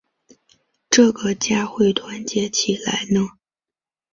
这个家会团结起来呢？